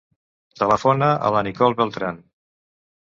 Telefona a la Nicole Beltran.